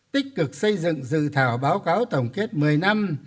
tích cực xây dựng dự thảo báo cáo tổng kết một mươi năm